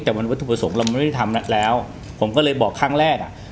แต่มันวัตถุประสงค์เราไม่ได้ทำแล้วผมก็เลยบอกครั้งแรกอ่ะ